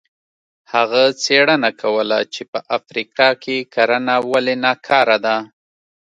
هغه څېړنه کوله چې په افریقا کې کرنه ولې ناکاره ده.